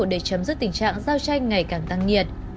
để chấm dứt tình trạng giao tranh ngày càng tăng nhiệt